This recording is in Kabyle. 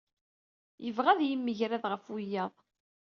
Yebɣa ad yemgerrad ɣef wiyaḍ.